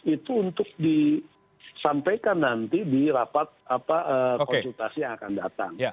itu untuk disampaikan nanti di rapat konsultasi yang akan datang